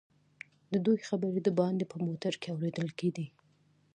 ددوئ خبرې دباندې په موټر کې اورېدل کېدې.